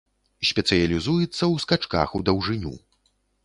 Спецыялізуецца ў скачках ў даўжыню.